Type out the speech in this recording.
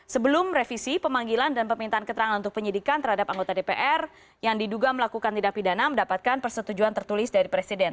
sebelum revisi pemanggilan dan pemintaan keterangan untuk penyidikan terhadap anggota dpr yang diduga melakukan tindak pidana mendapatkan persetujuan tertulis dari presiden